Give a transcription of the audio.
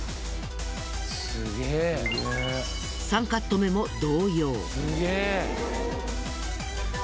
３カット目も同様。